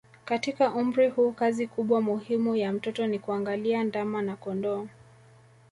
Katika umri huu kazi kubwa muhimu ya mtoto ni kuangalia ndama na kondoo